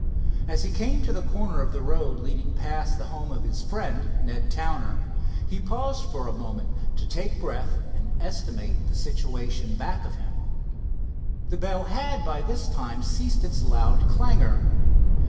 As he came to the corner of the road leading past the home of his friend, Ned Towner, he paused for a moment to take breath and estimate the situation back of him. The bell had by this time ceased its loud clangor.